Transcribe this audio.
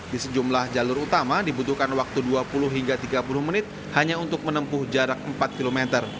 di sejumlah jalur utama dibutuhkan waktu dua puluh hingga tiga puluh menit hanya untuk menempuh jarak empat km